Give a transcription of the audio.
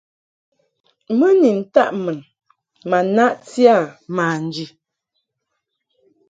Mɨ ni ntaʼ mun ma naʼti a manji.